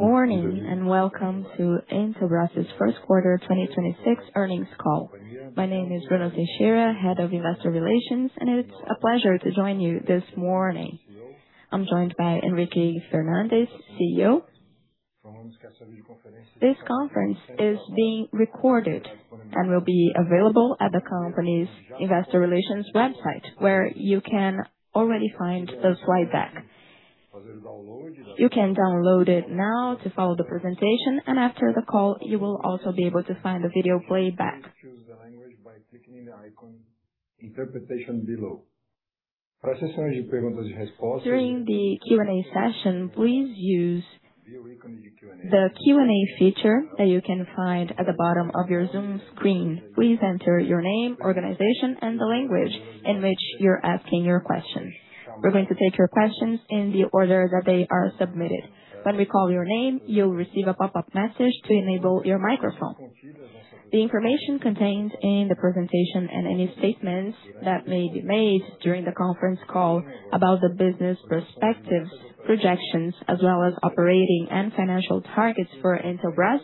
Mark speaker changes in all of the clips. Speaker 1: Morning, and welcome to Intelbras' First Quarter 2026 Earnings Call. My name is Bruno Teixeira, Head of Investor Relations, and it's a pleasure to join you this morning. I'm joined by Henrique Fernandez, Chief Executive Officer. This conference is being recorded and will be available at the company's investor relations website, where you can already find the slide deck. You can download it now to follow the presentation, and after the call, you will also be able to find the video playback. Choose the language by clicking the icon Interpretation below. During the Q&A session, please use the Q&A feature that you can find at the bottom of your Zoom screen. Please enter your name, organization, and the language in which you're asking your question. We're going to take your questions in the order that they are submitted. When we call your name, you'll receive a pop-up message to enable your microphone. The information contained in the presentation and any statements that may be made during the conference call about the business perspectives, projections, as well as operating and financial targets for Intelbras,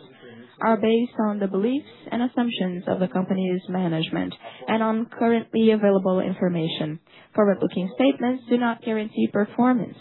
Speaker 1: are based on the beliefs and assumptions of the company's management and on currently available information. Forward-looking statements do not guarantee performance.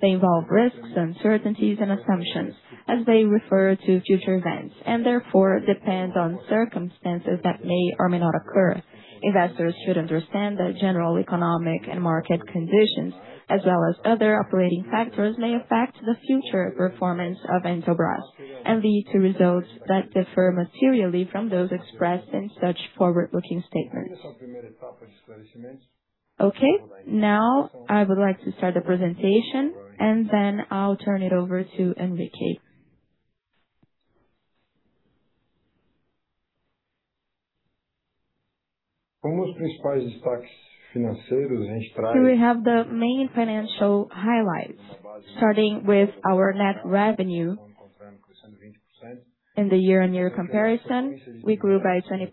Speaker 1: They involve risks, uncertainties, and assumptions as they refer to future events, and therefore depends on circumstances that may or may not occur. Investors should understand that general economic and market conditions, as well as other operating factors, may affect the future performance of Intelbras and lead to results that differ materially from those expressed in such forward-looking statements. Okay, now I would like to start the presentation, and then I'll turn it over to Henrique. Here we have the main financial highlights, starting with our net revenue. In the year-on-year comparison, we grew by 20%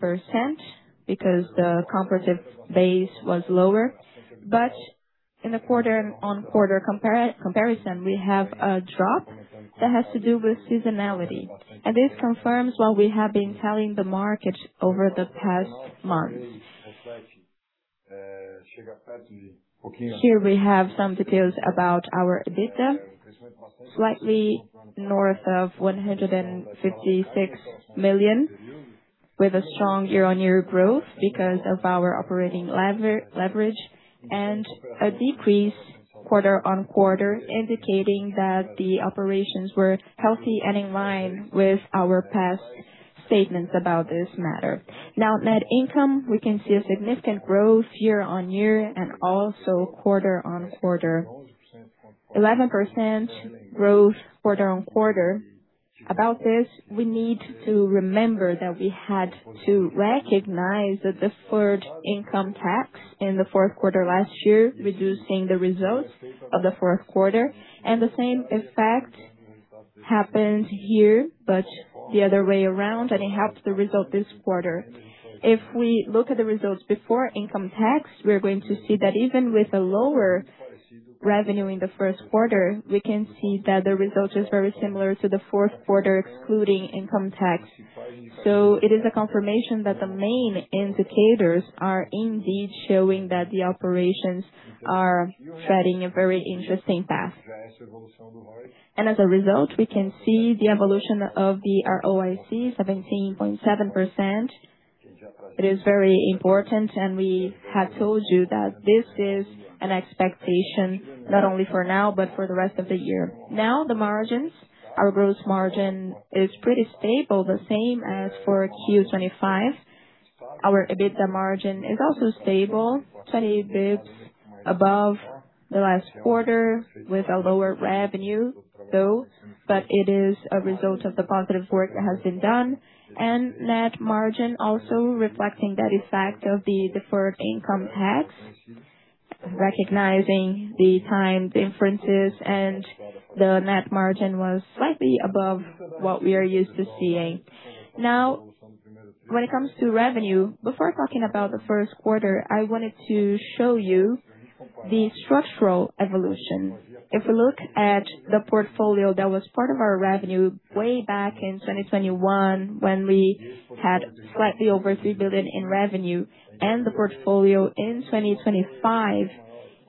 Speaker 1: because the comparative base was lower. In the quarter-on-quarter comparison, we have a drop that has to do with seasonality, and this confirms what we have been telling the market over the past months. Here we have some details about our EBITDA, slightly north of 156 million, with a strong year-on-year growth because of our operating leverage and a decrease quarter-on-quarter, indicating that the operations were healthy and in line with our past statements about this matter. Net income, we can see a significant growth year-on-year and also quarter-on-quarter. 11% growth quarter-on-quarter. About this, we need to remember that we had to recognize the deferred income tax in the fourth quarter last year, reducing the results of the fourth quarter. The same effect happened here, but the other way around, and it helped the result this quarter. If we look at the results before income tax, we're going to see that even with a lower revenue in the first quarter, we can see that the result is very similar to the fourth quarter, excluding income tax. It is a confirmation that the main indicators are indeed showing that the operations are treading a very interesting path. As a result, we can see the evolution of the ROIC 17.7%. It is very important, and we have told you that this is an expectation not only for now but for the rest of the year. Now, the margins. Our gross margin is pretty stable, the same as for Q 2025. Our EBITDA margin is also stable, 20 basis points above the last quarter with a lower revenue, though. It is a result of the positive work that has been done. Net margin also reflecting that effect of the deferred income tax, recognizing the time differences, and the net margin was slightly above what we are used to seeing. Now, when it comes to revenue, before talking about the first quarter, I wanted to show you the structural evolution. If we look at the portfolio that was part of our revenue way back in 2021 when we had slightly over 3 billion in revenue and the portfolio in 2025,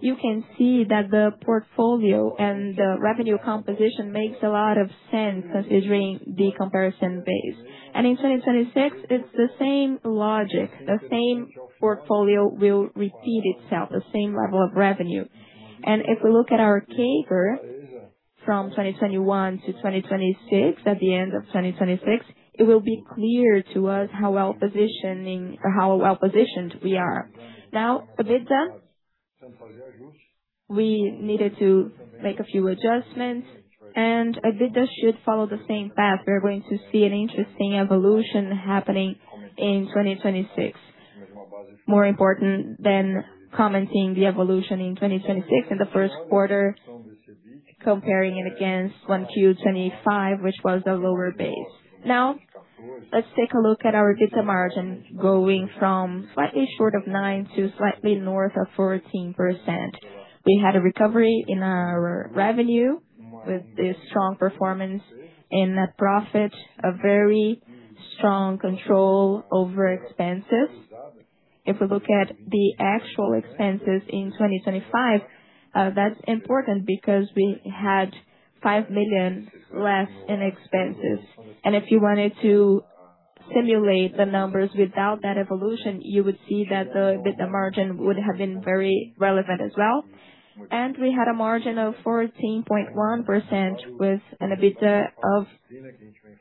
Speaker 1: you can see that the portfolio and the revenue composition makes a lot of sense considering the comparison base. In 2026, it's the same logic. The same portfolio will repeat itself, the same level of revenue. If we look at our CAGR from 2021-2026, at the end of 2026, it will be clear to us how well-positioned we are. Now, EBITDA. We needed to make a few adjustments. EBITDA should follow the same path. We are going to see an interesting evolution happening in 2026. More important than commenting the evolution in 2026 in the first quarter, comparing it against 1Q 2025, which was a lower base. Now, let's take a look at our EBITDA margin going from slightly short of 9% to slightly north of 14%. We had a recovery in our revenue with a strong performance in net profit, a very strong control over expenses. If we look at the actual expenses in 2025, that's important because we had 5 million less in expenses. If you wanted to simulate the numbers without that evolution, you would see that the margin would have been very relevant as well. We had a margin of 14.1% with an EBITDA of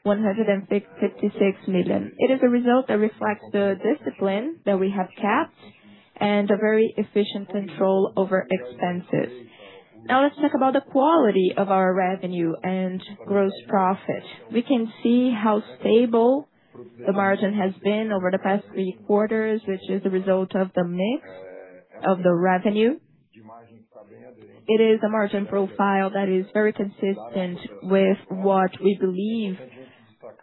Speaker 1: 56 million. It is a result that reflects the discipline that we have kept and a very efficient control over expenses. Let's talk about the quality of our revenue and gross profit. We can see how stable the margin has been over the past three quarters, which is the result of the mix of the revenue. It is a margin profile that is very consistent with what we believe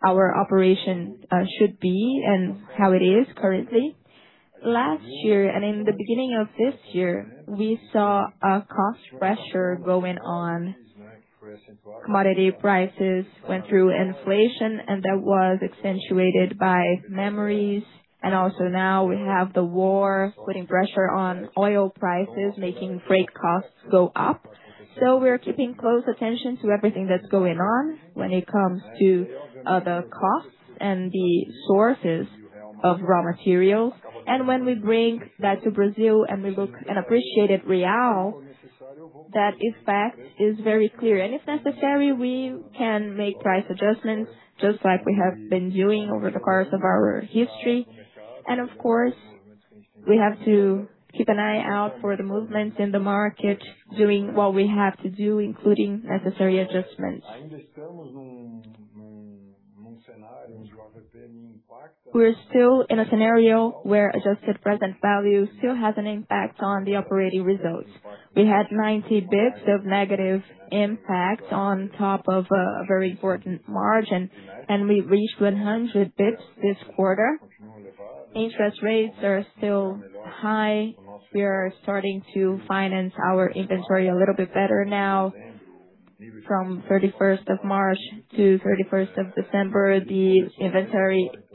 Speaker 1: our operation should be and how it is currently. Last year, in the beginning of this year, we saw a cost pressure going on. Commodity prices went through inflation, and that was accentuated by memories. Now we have the war putting pressure on oil prices, making freight costs go up. We're keeping close attention to everything that's going on when it comes to the costs and the sources of raw materials. When we bring that to Brazil and we look an appreciated BRL, that effect is very clear. If necessary, we can make price adjustments just like we have been doing over the course of our history. Of course, we have to keep an eye out for the movements in the market, doing what we have to do, including necessary adjustments. We're still in a scenario where Adjusted Present Value still has an impact on the operating results. We had 90 basis points of negative impact on top of a very important margin, we reached 100 basis points this quarter. Interest rates are still high. We are starting to finance our inventory a little bit better now. From 31st of March to 31st of December, the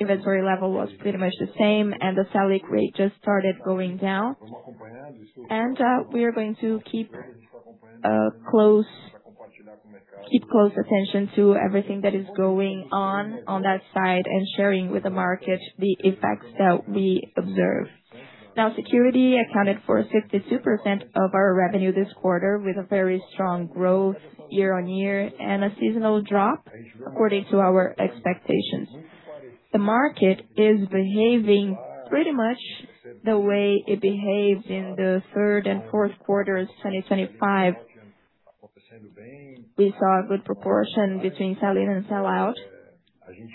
Speaker 1: inventory level was pretty much the same, the Selic rate just started going down. We are going to keep close attention to everything that is going on that side and sharing with the market the effects that we observe. Now, security accounted for 62% of our revenue this quarter with a very strong growth year-over-year and a seasonal drop according to our expectations. The market is behaving pretty much the way it behaved in the third and fourth quarters, 2025. We saw a good proportion between sell-in and sell-out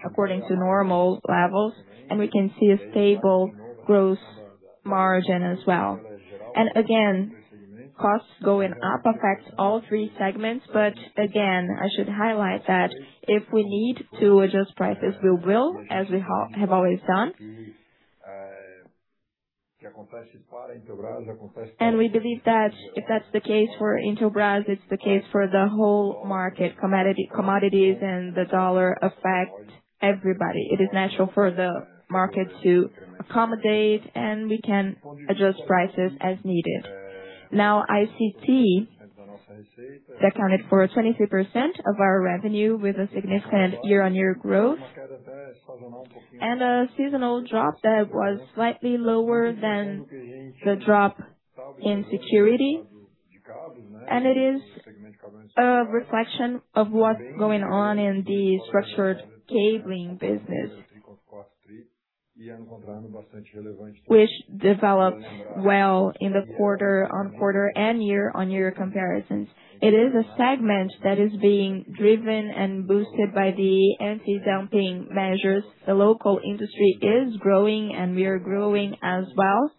Speaker 1: according to normal levels, we can see a stable gross margin as well. Costs going up affects all three segments. I should highlight that if we need to adjust prices, we will, as we have always done. We believe that if that's the case for Intelbras, it's the case for the whole market. Commodities and the dollar affect everybody. It is natural for the market to accommodate, and we can adjust prices as needed. ICT accounted for 23% of our revenue with a significant year-on-year growth. A seasonal drop that was slightly lower than the drop in security. It is a reflection of what's going on in the structured cabling business. Which developed well in the quarter-on-quarter and year-on-year comparisons. It is a segment that is being driven and boosted by the anti-dumping measures. The local industry is growing, we are growing as well.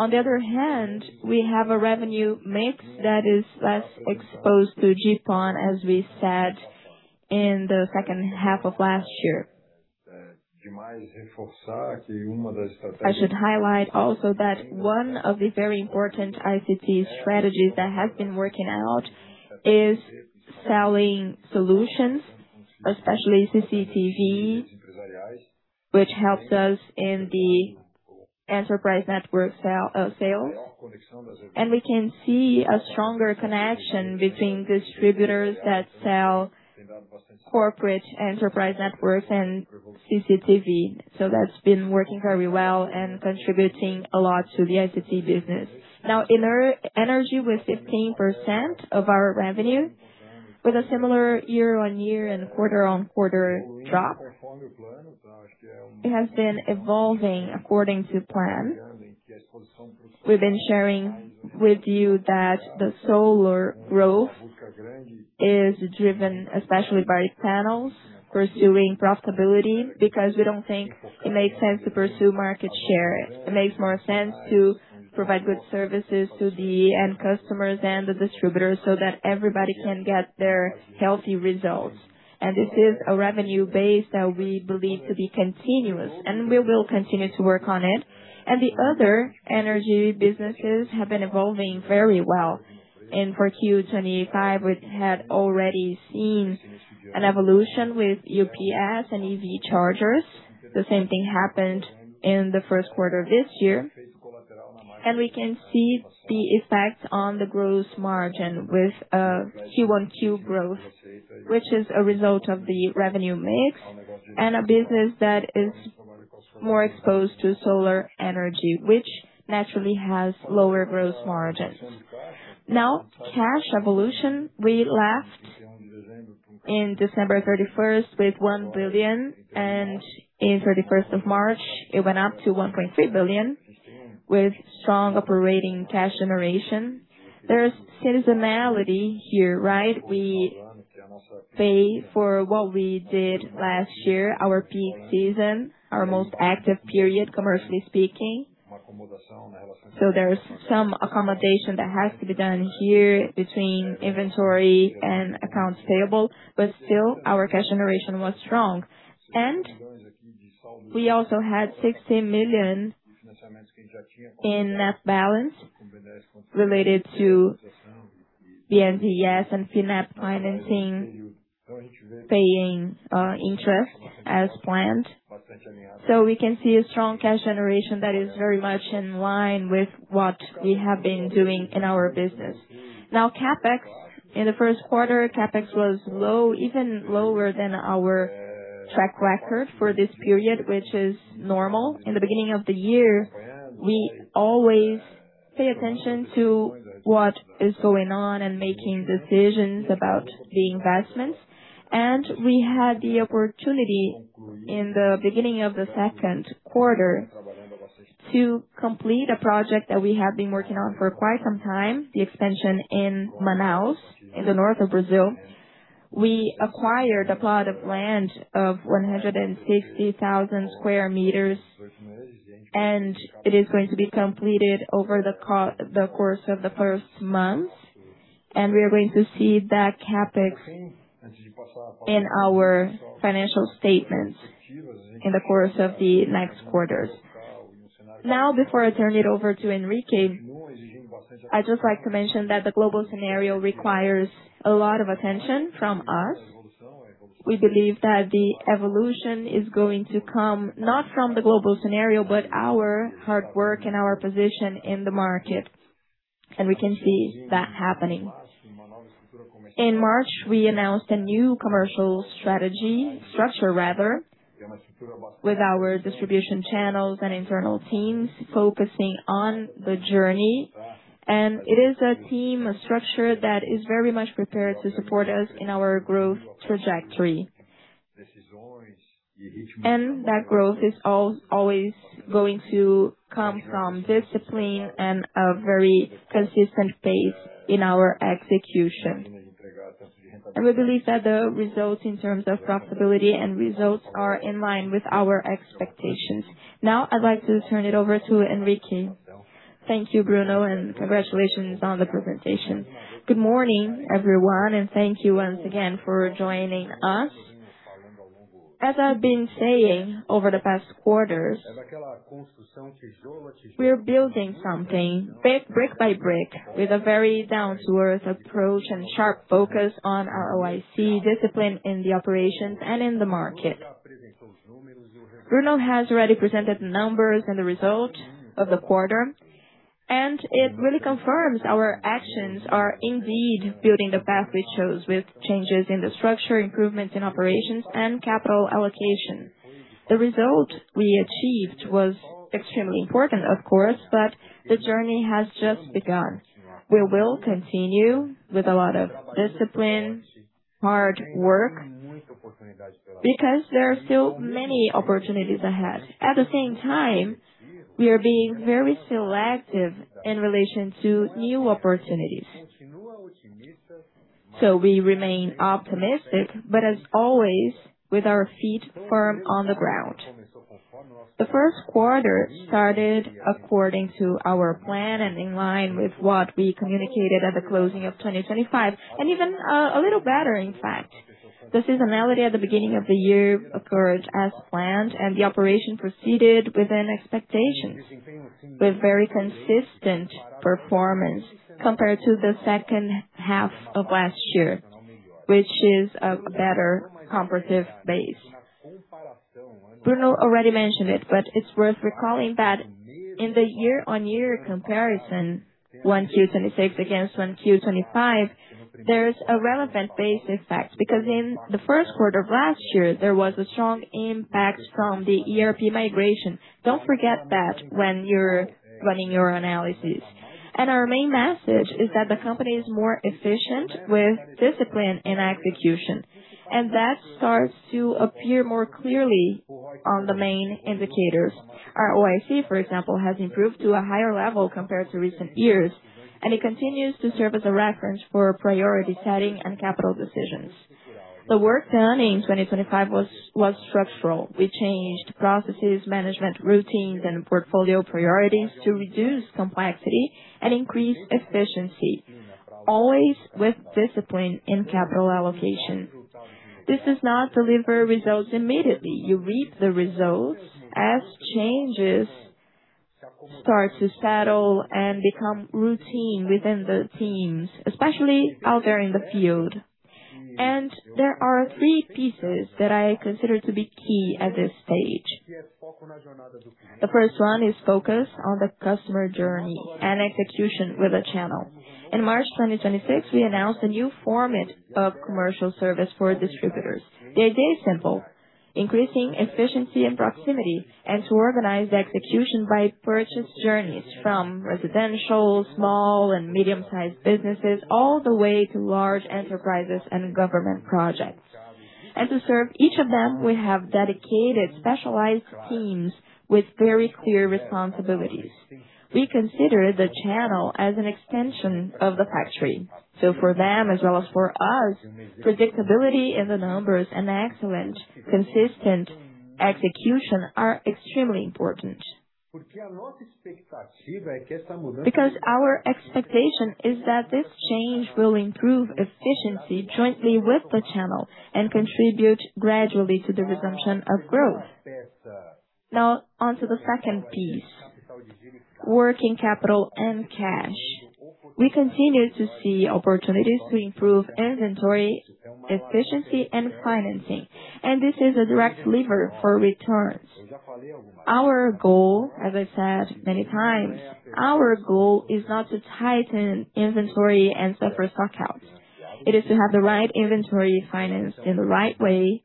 Speaker 1: On the other hand, we have a revenue mix that is less exposed to GPON, as we said in the second half of last year. I should highlight also that one of the very important ICT strategies that has been working out is selling solutions, especially CCTV, which helps us in the enterprise network sales. We can see a stronger connection between distributors that sell corporate enterprise networks and CCTV. That's been working very well and contributing a lot to the ICT business. Energy with 15% of our revenue with a similar year-over-year and quarter-over-quarter drop. It has been evolving according to plan. We've been sharing with you that the solar growth is driven especially by panels pursuing profitability because we don't think it makes sense to pursue market share. It makes more sense to provide good services to the end customers and the distributors, so that everybody can get their healthy results. This is a revenue base that we believe to be continuous, we will continue to work on it. The other energy businesses have been evolving very well. For Q 2025, we had already seen an evolution with UPS and EV chargers. The same thing happened in the first quarter of this year. We can see the effect on the gross margin with QoQ growth, which is a result of the revenue mix and a business that is more exposed to solar energy, which naturally has lower gross margins. Now, cash evolution. We left in December 31st with 1 billion, and in 31st of March, it went up to 1.3 billion, with strong operating cash generation. There's seasonality here, right? We pay for what we did last year, our peak season, our most active period, commercially speaking. There's some accommodation that has to be done here between inventory and accounts payable. Still, our cash generation was strong. We also had 60 million in net balance related to BNDES and FINEP financing, paying interest as planned. We can see a strong cash generation that is very much in line with what we have been doing in our business. Now CapEx. In the first quarter, CapEx was low, even lower than our track record for this period, which is normal. In the beginning of the year, we always pay attention to what is going on and making decisions about the investments. We had the opportunity in the beginning of the second quarter to complete a project that we have been working on for quite some time, the expansion in Manaus, in the north of Brazil. We acquired a plot of land of 160,000 sqm, and it is going to be completed over the course of the first month. We are going to see that CapEx in our financial statements in the course of the next quarters. Now, before I turn it over to Henrique, I'd just like to mention that the global scenario requires a lot of attention from us. We believe that the evolution is going to come not from the global scenario, but our hard work and our position in the market. We can see that happening. In March, we announced a new commercial strategy, structure rather, with our distribution channels and internal teams focusing on the journey. It is a team, a structure that is very much prepared to support us in our growth trajectory. That growth is always going to come from discipline and a very consistent pace in our execution. We believe that the results in terms of profitability and results are in line with our expectations. Now, I'd like to turn it over to Henrique.
Speaker 2: Thank you, Bruno, and congratulations on the presentation. Good morning, everyone, and thank you once again for joining us. As I've been saying over the past quarters, we are building something brick-by-brick with a very down-to-earth approach and sharp focus on our ROIC discipline in the operations and in the market. Bruno has already presented the numbers and the result of the quarter, and it really confirms our actions are indeed building the path we chose with changes in the structure, improvements in operations and capital allocation. The result we achieved was extremely important, of course, but the journey has just begun. We will continue with a lot of discipline, hard work, because there are still many opportunities ahead. At the same time, we are being very selective in relation to new opportunities. We remain optimistic, but as always, with our feet firm on the ground. The first quarter started according to our plan and in line with what we communicated at the closing of 2025, and even, a little better, in fact. The seasonality at the beginning of the year occurred as planned, and the operation proceeded within expectations with very consistent performance compared to the second half of last year, which is a better comparative base. Bruno already mentioned it, but it's worth recalling that in the year-on-year comparison, 1Q 2026 against 1Q 2025, there is a relevant base effect because in the first quarter of last year, there was a strong impact from the ERP migration. Don't forget that when you're running your analysis. Our main message is that the company is more efficient with discipline and execution, and that starts to appear more clearly on the main indicators. Our ROIC, for example, has improved to a higher level compared to recent years, and it continues to serve as a reference for priority setting and capital decisions. The work done in 2025 was structural. We changed processes, management routines and portfolio priorities to reduce complexity and increase efficiency, always with discipline in capital allocation. This does not deliver results immediately. You reap the results as changes start to settle and become routine within the teams, especially out there in the field. There are three pieces that I consider to be key at this stage. The first one is focus on the customer journey and execution with the channel. In March 2026, we announced a new format of commercial service for distributors. The idea is simple: increasing efficiency and proximity and to organize execution by purchase journeys from residential, small and medium-sized businesses, all the way to large enterprises and government projects. To serve each of them, we have dedicated specialized teams with very clear responsibilities. We consider the channel as an extension of the factory. For them as well as for us, predictability in the numbers and excellent consistent execution are extremely important. Our expectation is that this change will improve efficiency jointly with the channel and contribute gradually to the resumption of growth. Now on to the second piece, working capital and cash. We continue to see opportunities to improve inventory efficiency and financing, and this is a direct lever for returns. Our goal, as I've said many times, our goal is not to tighten inventory and suffer stockouts. It is to have the right inventory financed in the right way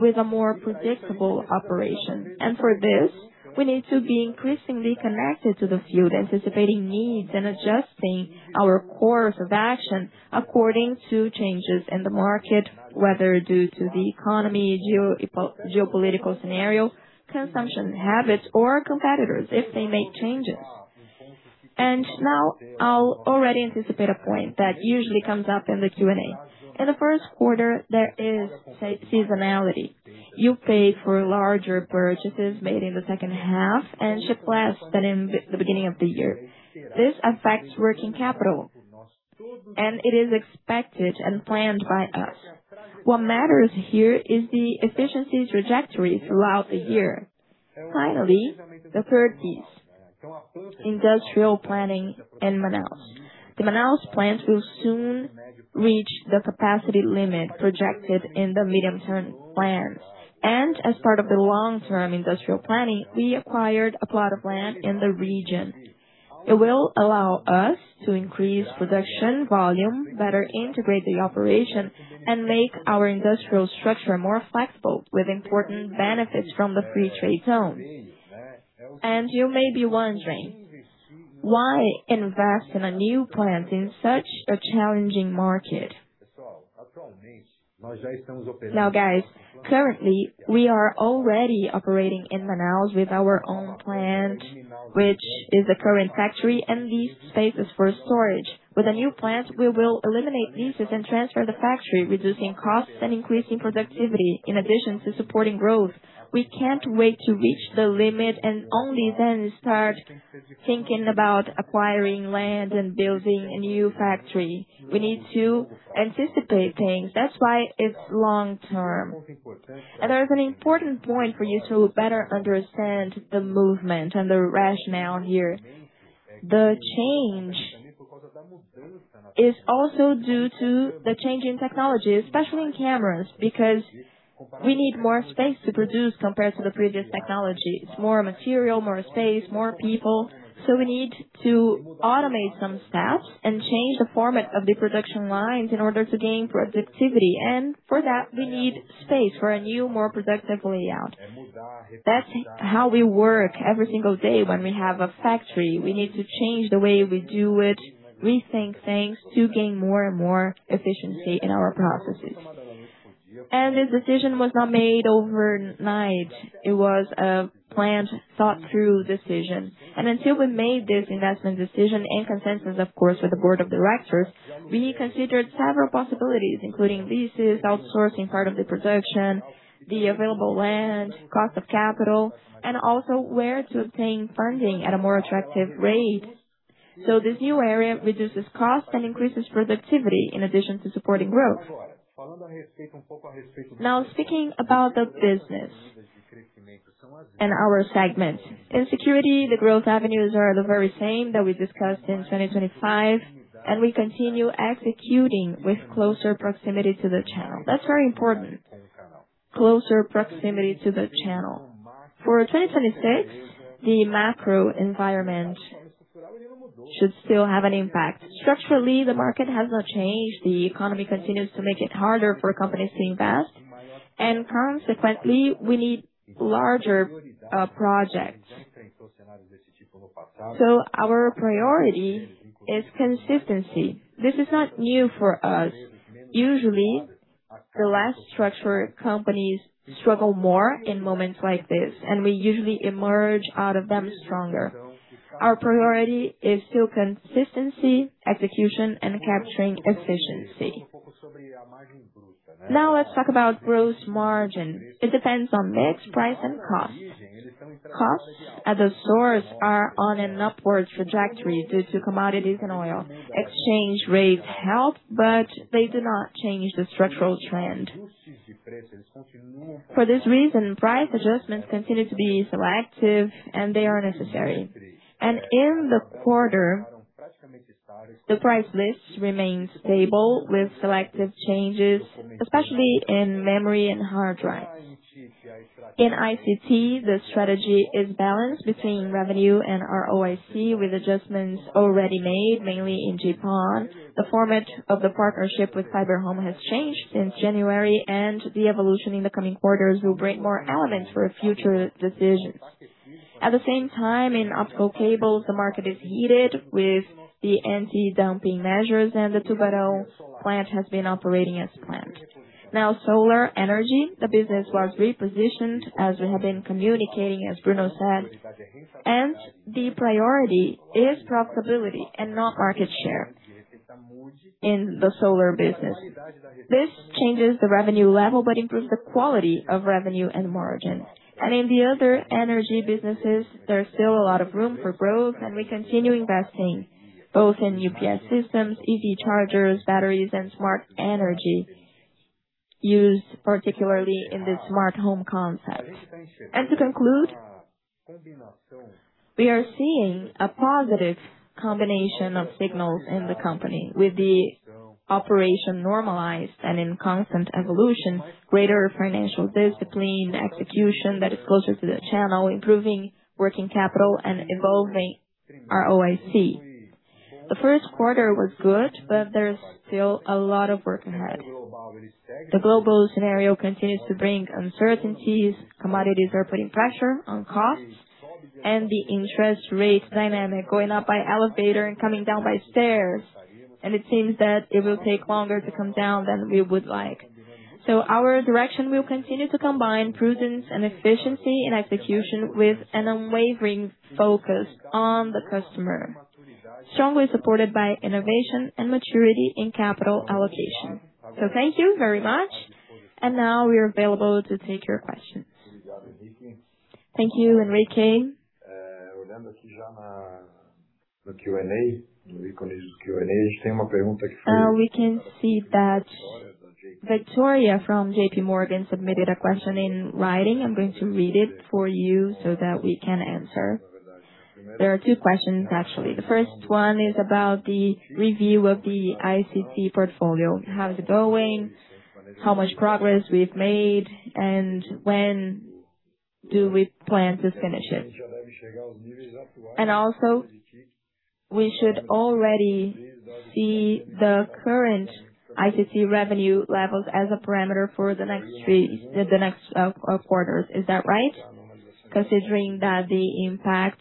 Speaker 2: with a more predictable operation. For this, we need to be increasingly connected to the field, anticipating needs and adjusting our course of action according to changes in the market, whether due to the economy, geo- geopolitical scenario, consumption habits or competitors if they make changes. Now I'll already anticipate a point that usually comes up in the Q&A. In the first quarter, there is seasonality. You pay for larger purchases made in the second half and ship less than in the beginning of the year. This affects working capital, and it is expected and planned by us. What matters here is the efficiency trajectory throughout the year. Finally, the third piece, industrial planning in Manaus. The Manaus plant will soon reach the capacity limit projected in the medium-term plans. As part of the long-term industrial planning, we acquired a plot of land in the region. It will allow us to increase production volume, better integrate the operation, and make our industrial structure more flexible with important benefits from the free trade zone. You may be wondering, why invest in a new plant in such a challenging market? Now, guys, currently we are already operating in Manaus with our own plant, which is the current factory and leased spaces for storage. With a new plant, we will eliminate leases and transfer the factory, reducing costs and increasing productivity in addition to supporting growth. We can't wait to reach the limit and only then start thinking about acquiring land and building a new factory. We need to anticipate things. That's why it's long-term. There's an important point for you to better understand the movement and the rationale here. The change is also due to the change in technology, especially in cameras, because we need more space to produce compared to the previous technology. It's more material, more space, more people. We need to automate some steps and change the format of the production lines in order to gain productivity. For that, we need space for a new, more productive layout. That's how we work every single day when we have a factory. We need to change the way we do it, rethink things to gain more and more efficiency in our processes. This decision was not made overnight. It was a planned, thought through decision. Until we made this investment decision and consensus, of course, with the Board of Directors, we considered several possibilities, including leases, outsourcing part of the production, the available land, cost of capital, and also where to obtain funding at a more attractive rate. This new area reduces cost and increases productivity in addition to supporting growth. Now speaking about the business and our segment. In security, the growth avenues are the very same that we discussed in 2025, and we continue executing with closer proximity to the channel. That's very important. Closer proximity to the channel. For 2026, the macro environment should still have an impact. Structurally, the market has not changed. The economy continues to make it harder for companies to invest, and consequently, we need larger projects. Our priority is consistency. This is not new for us. Usually, the less structured companies struggle more in moments like this, and we usually emerge out of them stronger. Our priority is still consistency, execution, and capturing efficiency. Now let's talk about gross margin. It depends on mix, price, and cost. Costs at the source are on an upward trajectory due to commodities and oil. Exchange rates help, but they do not change the structural trend. For this reason, price adjustments continue to be selective, and they are necessary. In the quarter, the price lists remained stable with selective changes, especially in memory and hard drives. In ICT, the strategy is balanced between revenue and ROIC, with adjustments already made mainly in GPON. The format of the partnership with FiberHome has changed since January, and the evolution in the coming quarters will bring more elements for future decisions. At the same time, in optical cables, the market is heated with the anti-dumping measures and the Tubarão plant has been operating as planned. Now, solar energy. The business was repositioned as we have been communicating, as Bruno said. The priority is profitability and not market share in the solar business. This changes the revenue level, but improves the quality of revenue and margin. In the other energy businesses, there's still a lot of room for growth, and we continue investing both in UPS systems, EV chargers, batteries, and smart energy used particularly in the smart home concept. To conclude, we are seeing a positive combination of signals in the company with the operation normalized and in constant evolution, greater financial discipline, execution that is closer to the channel, improving working capital and evolving ROIC. The first quarter was good, there is still a lot of work ahead. The global scenario continues to bring uncertainties. Commodities are putting pressure on costs and the interest rate dynamic going up by elevator and coming down by stairs. It seems that it will take longer to come down than we would like. Our direction will continue to combine prudence and efficiency in execution with an unwavering focus on the customer, strongly supported by innovation and maturity in capital allocation. Thank you very much. Now we are available to take your questions.
Speaker 1: Thank you, Henrique. We can see that Victoria from JPMorgan submitted a question in writing. I'm going to read it for you so that we can answer. There are two questions, actually. The first one is about the review of the ICT portfolio. How is it going? How much progress we've made, and when do we plan to finish it? Also, we should already see the current ICT revenue levels as a parameter for the next three quarters. Is that right? Considering that the impact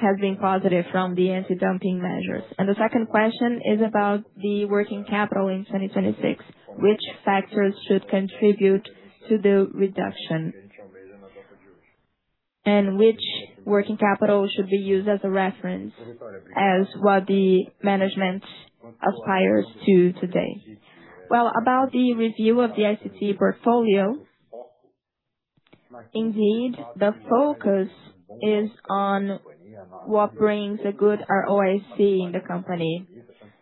Speaker 1: has been positive from the anti-dumping measures. The second question is about the working capital in 2026. Which factors should contribute to the reduction? Which working capital should be used as a reference as what the management aspires to today? Well, about the review of the ICT portfolio, indeed, the focus is on what brings a good ROIC in the company.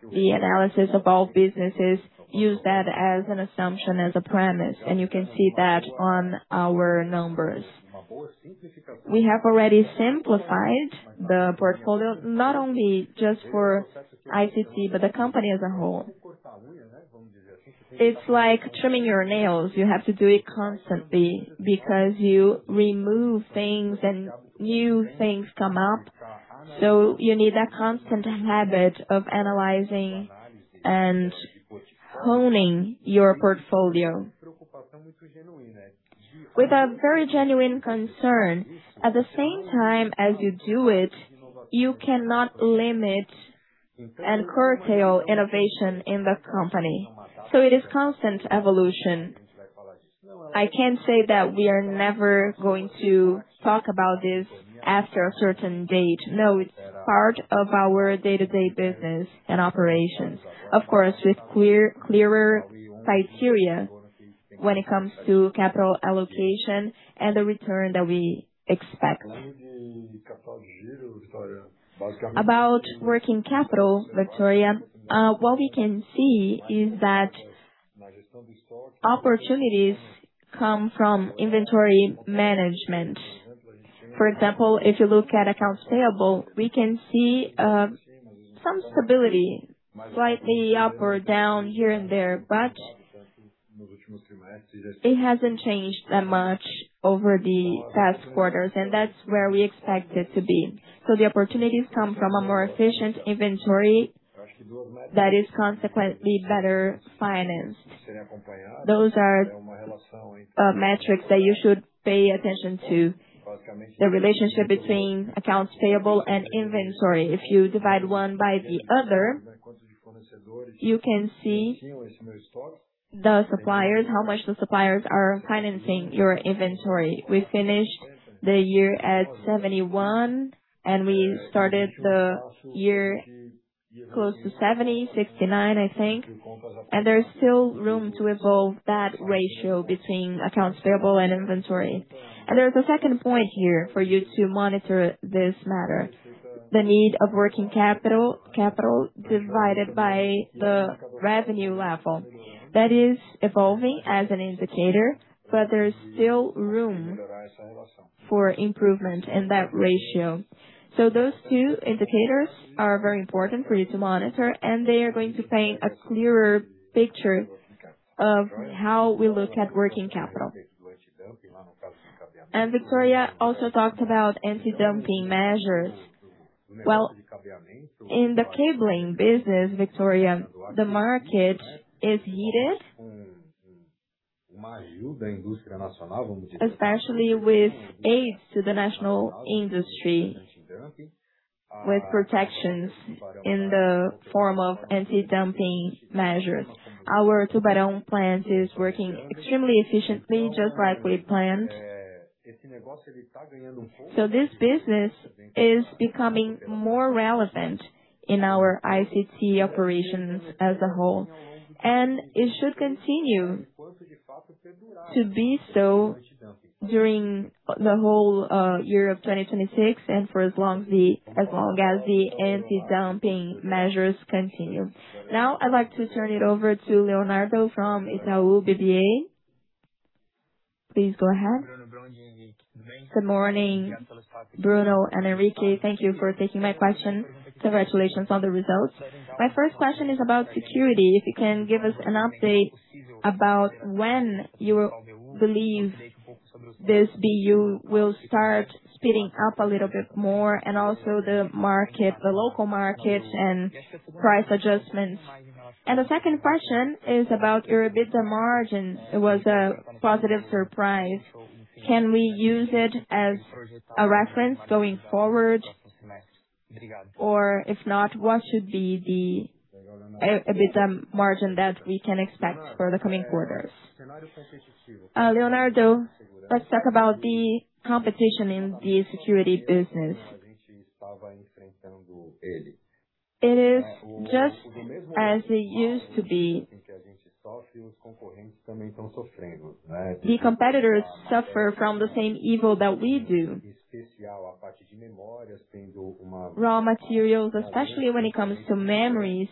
Speaker 1: The analysis of all businesses use that as an assumption, as a premise, and you can see that on our numbers. We have already simplified the portfolio, not only just for ICT, but the company as a whole. It's like trimming your nails. You have to do it constantly because you remove things and new things come up. You need a constant habit of analyzing and honing your portfolio. With a very genuine concern, at the same time as you do it, you cannot limit and curtail innovation in the company. It is constant evolution. I can't say that we are never going to talk about this after a certain date. No, it's part of our day-to-day business and operations. Of course, with clear, clearer criteria when it comes to capital allocation and the return that we expect. About working capital, Victoria, what we can see is that opportunities come from inventory management. For example, if you look at accounts payable, we can see some stability slightly up or down here and there, but it hasn't changed that much over the past quarters, and that's where we expect it to be. The opportunities come from a more efficient inventory that is consequently better financed. Those are metrics that you should pay attention to. The relationship between accounts payable and inventory. If you divide one by the other, you can see the suppliers, how much the suppliers are financing your inventory. We finish the year at 71, and we started the year close to 70, 69, I think. There's still room to evolve that ratio between accounts payable and inventory. There's a second point here for you to monitor this matter. The need of working capital divided by the revenue level. That is evolving as an indicator, but there is still room for improvement in that ratio. Those two indicators are very important for you to monitor, and they are going to paint a clearer picture of how we look at working capital. Victoria also talked about anti-dumping measures. Well, in the cabling business, Victoria, the market is heated, especially with aids to the national industry, with protections in the form of anti-dumping measures. Our Tubarão plant is working extremely efficiently, just like we planned. This business is becoming more relevant in our ICT operations as a whole, and it should continue to be so during the whole year of 2026 and for as long as the anti-dumping measures continue. Now, I'd like to turn it over to Leonardo from Itaú BBA. Please go ahead.
Speaker 3: Good morning, Bruno and Henrique. Thank you for taking my question. Congratulations on the results. My first question is about security. If you can give us an update about when you believe this BU will start speeding up a little bit more, and also the market, the local market and price adjustments. The second question is about your EBITDA margins. It was a positive surprise. Can we use it as a reference going forward? If not, what should be the EBITDA margin that we can expect for the coming quarters?
Speaker 2: Leonardo, let's talk about the competition in the security business. It is just as it used to be. The competitors suffer from the same evil that we do. Raw materials, especially when it comes to memories,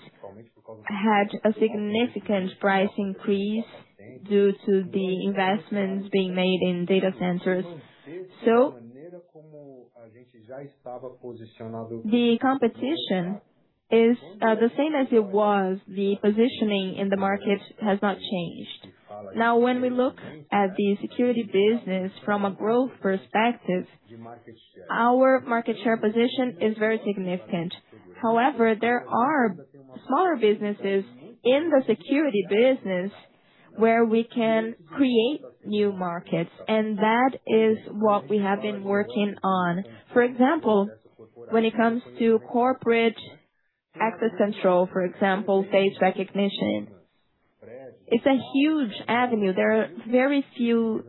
Speaker 2: had a significant price increase due to the investments being made in data centers. The competition is the same as it was. The positioning in the market has not changed. When we look at the security business from a growth perspective, our market share position is very significant. There are smaller businesses in the security business where we can create new markets, and that is what we have been working on. For example, when it comes to corporate access control, for example, face recognition. It's a huge avenue. There are very few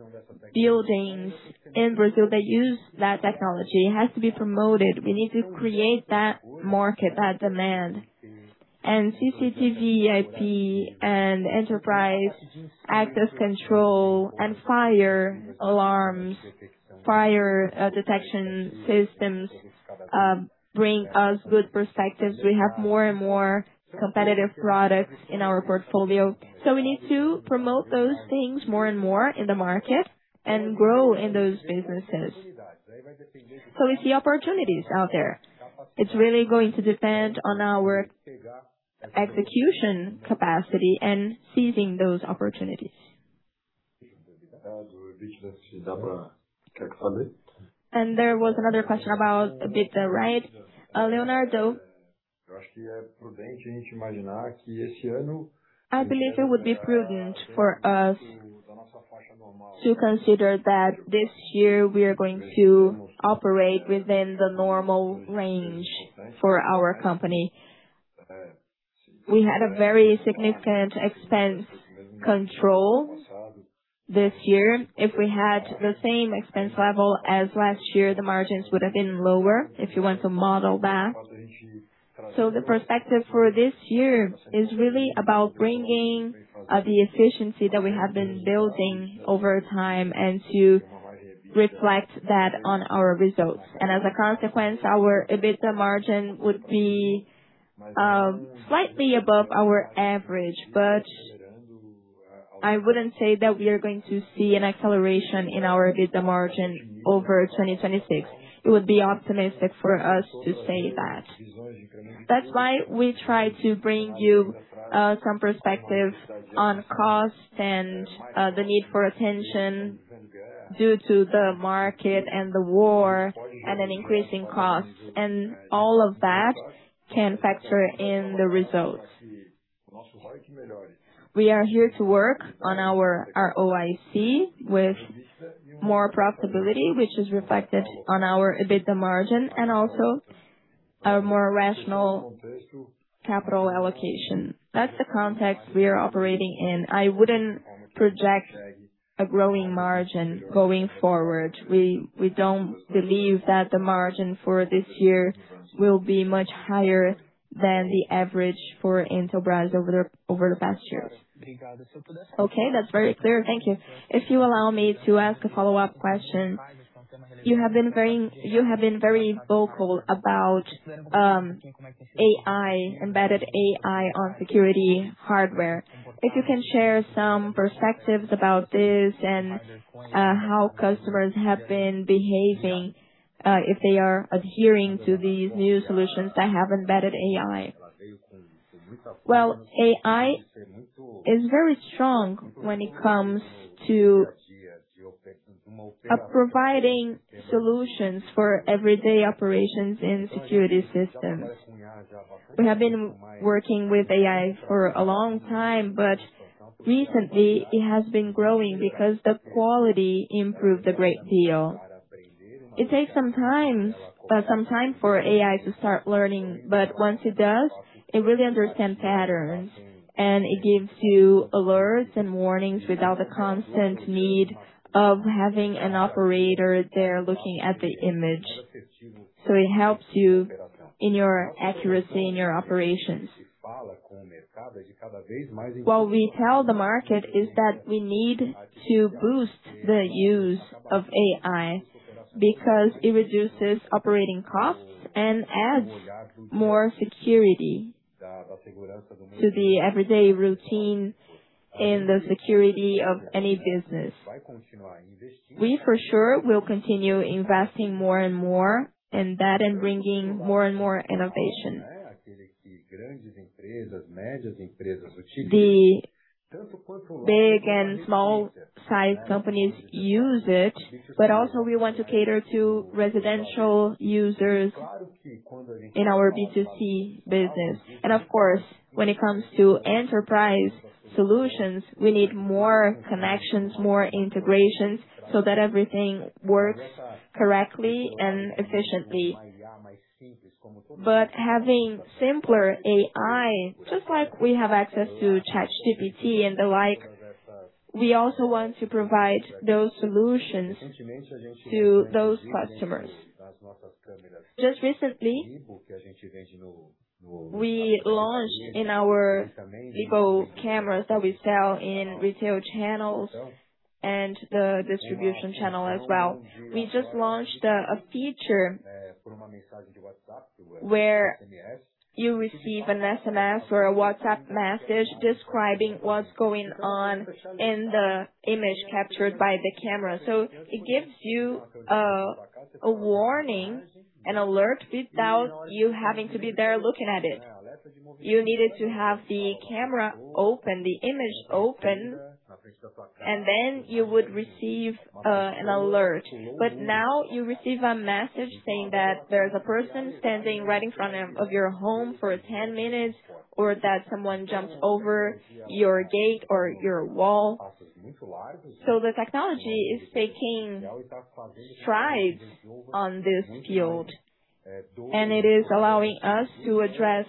Speaker 2: buildings in Brazil that use that technology. It has to be promoted. We need to create that market, that demand. CCTV, IP and enterprise access control and fire alarms, fire detection systems, bring us good perspectives. We have more and more competitive products in our portfolio. We need to promote those things more and more in the market and grow in those businesses. We see opportunities out there. It's really going to depend on our execution capacity and seizing those opportunities. There was another question about EBITDA, right? Leonardo, I believe it would be prudent for us to consider that this year we are going to operate within the normal range for our company. We had a very significant expense control this year. If we had the same expense level as last year, the margins would have been lower, if you want to model that. The perspective for this year is really about bringing the efficiency that we have been building over time and to reflect that on our results. As a consequence, our EBITDA margin would be slightly above our average, but I wouldn't say that we are going to see an acceleration in our EBITDA margin over 2026. It would be optimistic for us to say that.
Speaker 1: That's why we try to bring you some perspective on cost and the need for attention due to the market and the war and an increase in costs. All of that can factor in the results. We are here to work on our ROIC with more profitability, which is reflected on our EBITDA margin and also a more rational capital allocation. That's the context we are operating in. I wouldn't project a growing margin going forward. We don't believe that the margin for this year will be much higher than the average for Intelbras over the past years.
Speaker 3: Okay, that's very clear. Thank you. If you allow me to ask a follow-up question. You have been very vocal about AI, embedded AI on security hardware. If you can share some perspectives about this and how customers have been behaving, if they are adhering to these new solutions that have embedded AI.
Speaker 2: AI is very strong when it comes to providing solutions for everyday operations in security systems. We have been working with AI for a long time, but recently it has been growing because the quality improved a great deal. It takes some time for AI to start learning, but once it does, it really understands patterns, and it gives you alerts and warnings without the constant need of having an operator there looking at the image. It helps you in your accuracy in your operations. What we tell the market is that we need to boost the use of AI because it reduces operating costs and adds more security to the everyday routine and the security of any business. We, for sure, will continue investing more and more in that and bringing more and more innovation. The big and small size companies use it, but also we want to cater to residential users in our B2C business. Of course, when it comes to enterprise solutions, we need more connections, more integrations, so that everything works correctly and efficiently. Having simpler AI, just like we have access to ChatGPT and the like, we also want to provide those solutions to those customers. Just recently, we launched in our iGo cameras that we sell in retail channels and the distribution channel as well. We just launched a feature where you receive an SMS or a WhatsApp message describing what's going on in the image captured by the camera. It gives you a warning and alert without you having to be there looking at it. You needed to have the camera open, the image open, and then you would receive an alert. Now you receive a message saying that there's a person standing right in front of your home for 10 minutes, or that someone jumped over your gate or your wall. The technology is taking strides on this field, and it is allowing us to address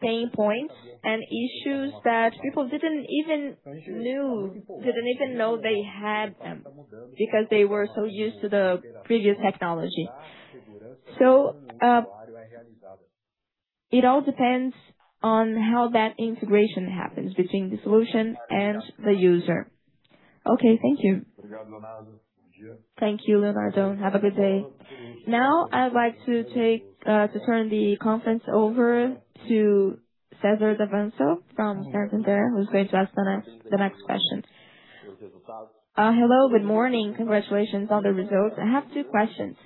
Speaker 2: pain points and issues that people didn't even know they had them because they were so used to the previous technology. It all depends on how that integration happens between the solution and the user.
Speaker 3: Okay. Thank you.
Speaker 1: Thank you, Leonardo. Have a good day. I'd like to take to turn the conference over to César Davanço from Santander, who's going to ask the next question.
Speaker 4: Hello, good morning. Congratulations on the results. I have two questions.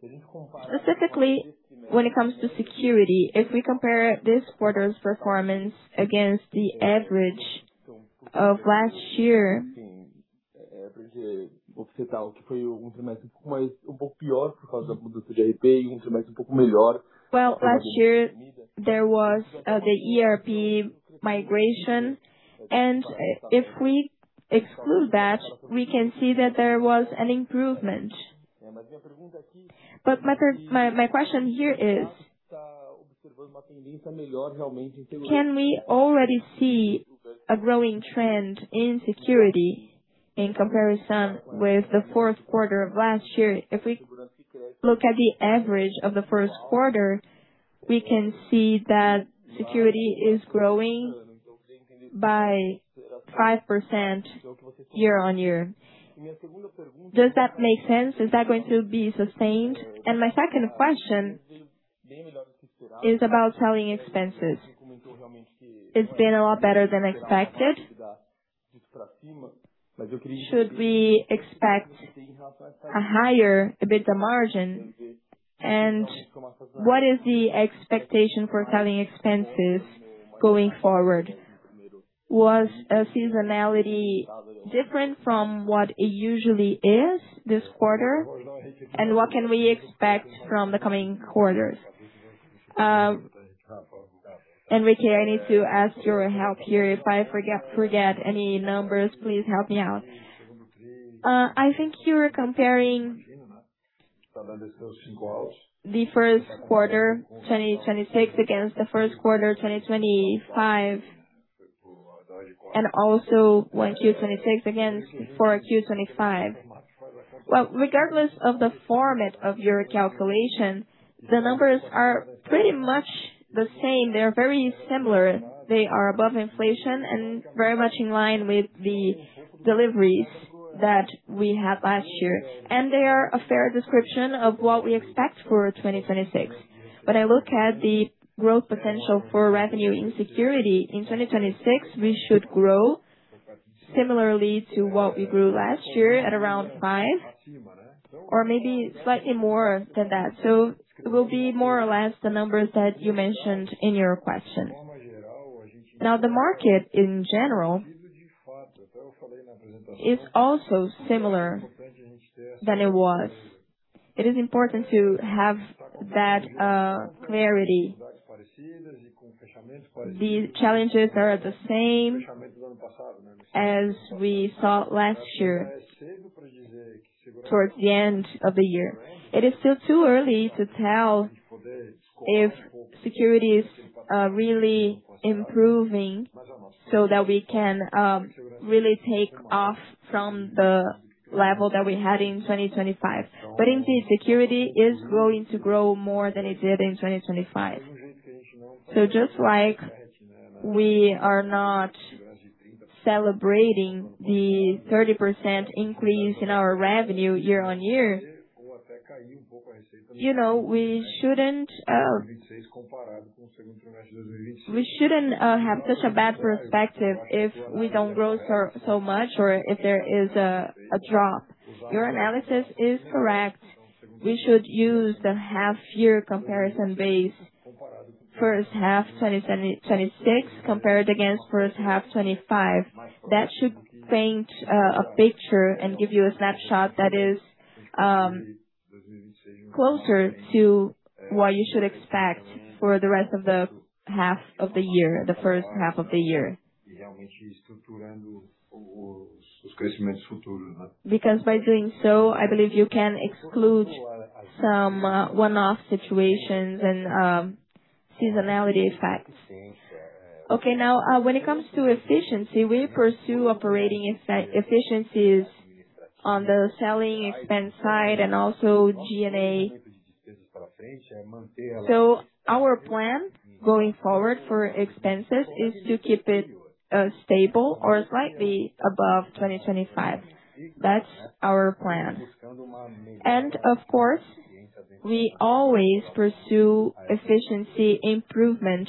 Speaker 4: Specifically, when it comes to security, if we compare this quarter's performance against the average of last year. Well, last year there was the ERP migration, and if we exclude that, we can see that there was an improvement. My question here is, can we already see a growing trend in security in comparison with the fourth quarter of last year? If we look at the average of the first quarter, we can see that security is growing by 5% year-over-year. Does that make sense? Is that going to be sustained? My second question is about selling expenses. It's been a lot better than expected. Should we expect a higher EBITDA margin? What is the expectation for selling expenses going forward? Was seasonality different from what it usually is this quarter? What can we expect from the coming quarters?
Speaker 1: Henrique, I need to ask your help here. If I forget any numbers, please help me out. I think you're comparing the first quarter 2026 against the first quarter 2025, and also 1Q 2026 against 4Q 2025. Well, regardless of the format of your calculation, the numbers are pretty much the same. They're very similar. They are above inflation and very much in line with the deliveries that we had last year. They are a fair description of what we expect for 2026. When I look at the growth potential for revenue in security, in 2026, we should grow similarly to what we grew last year at around five or maybe slightly more than that. It will be more or less the numbers that you mentioned in your question. The market in general is also similar than it was. It is important to have that clarity. The challenges are the same as we saw last year towards the end of the year. It is still too early to tell if security is really improving so that we can really take off from the level that we had in 2025. Indeed, security is going to grow more than it did in 2025. Just like we are not celebrating the 30% increase in our revenue year-on-year, you know, we shouldn't have such a bad perspective if we don't grow so much or if there is a drop. Your analysis is correct. We should use the half-year comparison base, first half 2026 compared against first half 2025. That should paint a picture and give you a snapshot that is closer to what you should expect for the rest of the half of the year, the first half of the year. By doing so, I believe you can exclude some one-off situations and seasonality effects. Okay. Now, when it comes to efficiency, we pursue operating efficiencies on the selling expense side and also G&A. Our plan going forward for expenses is to keep it stable or slightly above 2025. That's our plan. Of course, we always pursue efficiency improvement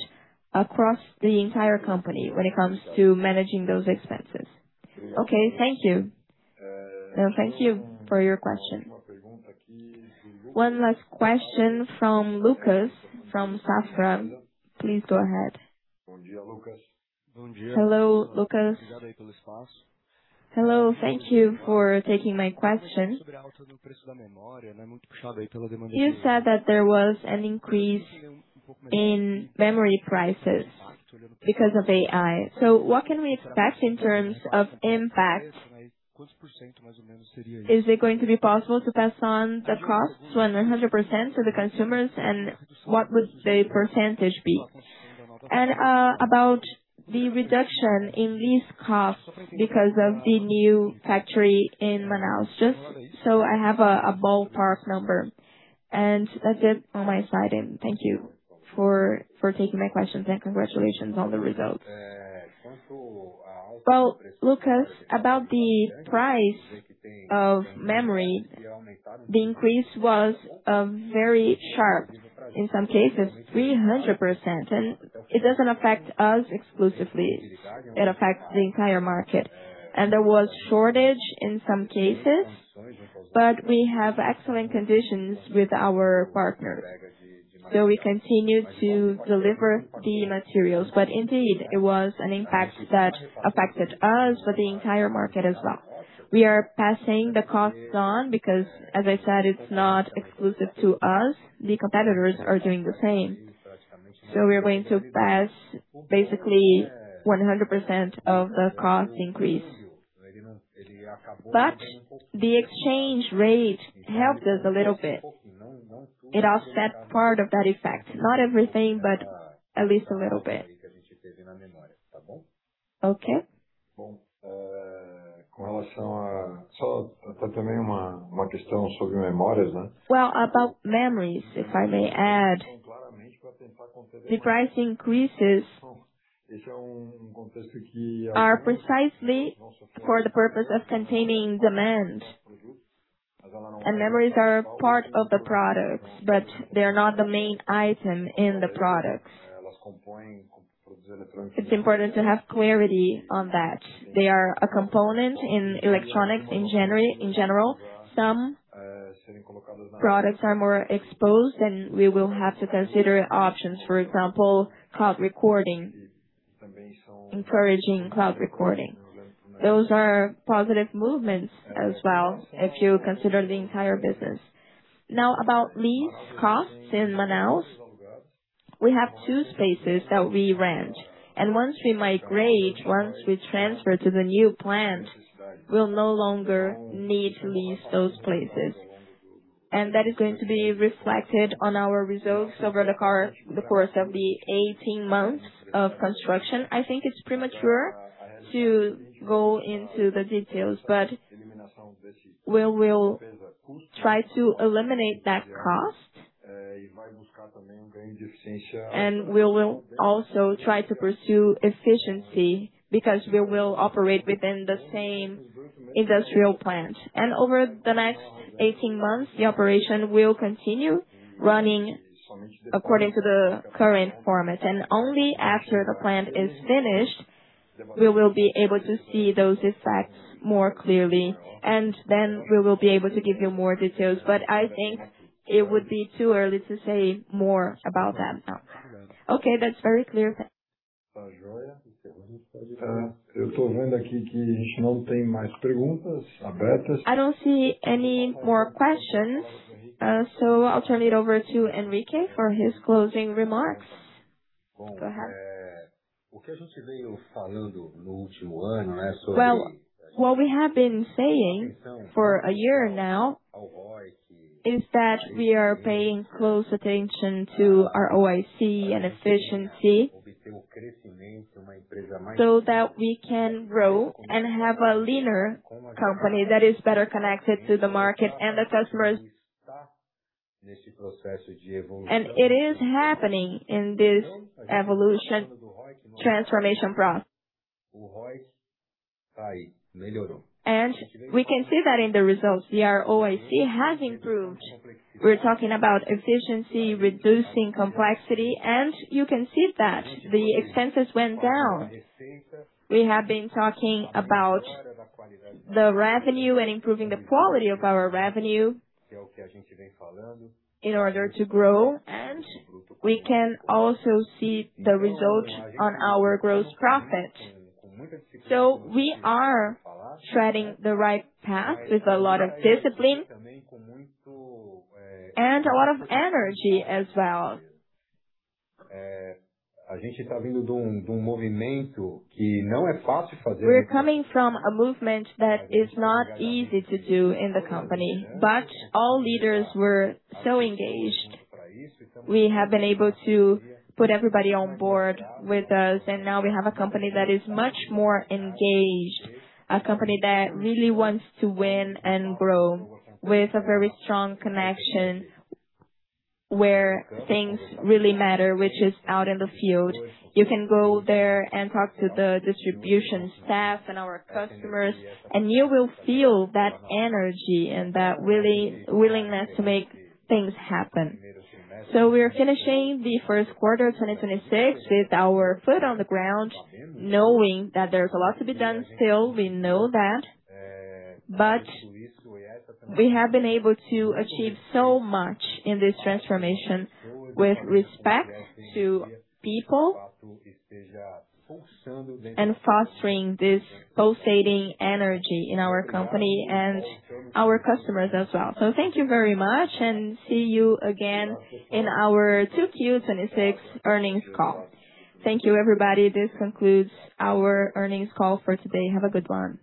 Speaker 1: across the entire company when it comes to managing those expenses.
Speaker 4: Okay. Thank you.
Speaker 1: Thank you for your question. One last question from Lucas from Safra. Please go ahead. Hello, Lucas.
Speaker 5: Hello. Thank you for taking my question. You said that there was an increase in memory prices because of AI. What can we expect in terms of impact? Is it going to be possible to pass on the costs 100% to the consumers? What would the percentage be? About the reduction in lease costs because of the new factory in Manaus. Just so I have a ballpark number. That's it on my side. Thank you for taking my questions and congratulations on the results.
Speaker 2: Well, Lucas, about the price of memory, the increase was very sharp, in some cases 300%, and it doesn't affect us exclusively. It affects the entire market. There was shortage in some cases, but we have excellent conditions with our partner. We continue to deliver the materials. Indeed, it was an impact that affected us, but the entire market as well. We are passing the costs on because as I said, it's not exclusive to us. The competitors are doing the same. We are going to pass basically 100% of the cost increase. The exchange rate helped us a little bit. It offset part of that effect. Not everything, but at least a little bit.
Speaker 5: Okay.
Speaker 1: Well, about memories, if I may add, the price increases are precisely for the purpose of containing demand. Memories are part of the products, but they are not the main item in the products. It's important to have clarity on that. They are a component in electronics in general. Some products are more exposed, and we will have to consider options, for example, cloud recording, encouraging cloud recording. Those are positive movements as well, if you consider the entire business. Now, about lease costs in Manaus. We have 2 spaces that we rent. Once we migrate, once we transfer to the new plant, we'll no longer need to lease those places. That is going to be reflected on our results over the course of the 18 months of construction. I think it's premature to go into the details, but we will try to eliminate that cost. We will also try to pursue efficiency because we will operate within the same industrial plant. Over the next 18 months, the operation will continue running according to the current format. Only after the plant is finished, we will be able to see those effects more clearly. Then we will be able to give you more details. I think it would be too early to say more about that now.
Speaker 5: Okay, that's very clear.
Speaker 1: I don't see any more questions, so I'll turn it over to Henrique Fernandez for his closing remarks. Go ahead.
Speaker 2: Well, what we have been saying for a year now is that we are paying close attention to our ROIC and efficiency, so that we can grow and have a leaner company that is better connected to the market and the customers. It is happening in this evolution transformation process. We can see that in the results, the ROIC has improved. We're talking about efficiency, reducing complexity, and you can see that the expenses went down. We have been talking about the revenue and improving the quality of our revenue in order to grow, and we can also see the result on our gross profit. We are treading the right path with a lot of discipline and a lot of energy as well. We're coming from a movement that is not easy to do in the company, but all leaders were so engaged. We have been able to put everybody on board with us, and now we have a company that is much more engaged, a company that really wants to win and grow with a very strong connection where things really matter, which is out in the field. You can go there and talk to the distribution staff and our customers, you will feel that energy and that willingness to make things happen. We are finishing the 1st quarter of 2026 with our foot on the ground, knowing that there's a lot to be done still. We know that. We have been able to achieve so much in this transformation with respect to people and fostering this pulsating energy in our company and our customers as well. Thank you very much, and see you again in our 2Q 2026 earnings call.
Speaker 1: Thank you, everybody. This concludes our earnings call for today. Have a good one.